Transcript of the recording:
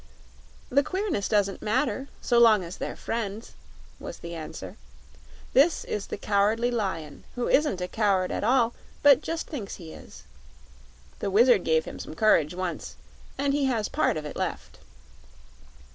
"The queerness doesn't matter so long as they're friends," was the answer. "This is the Cowardly Lion, who isn't a coward at all, but just thinks he is. The Wizard gave him some courage once, and he has part of it left."